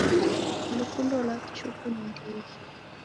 Lukundo lwa kichuku ni ndighi.